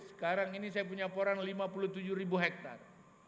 sekarang ini saya punya poran lima puluh tujuh ribu hektare